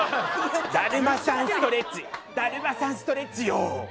だるまさんストレッチだるまさんストレッチよ！